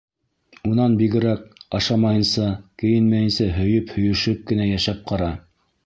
Унан бигерәк, ашамайынса, кейенмәйенсә һөйөп-һөйөшөп кенә йәшәп ҡара.